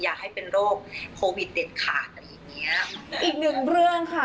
อยากให้เป็นโรคโควิดเด็ดขาดอะไรอย่างเงี้ยอีกหนึ่งเรื่องค่ะ